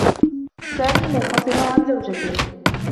سامي منفصل عن زوجته.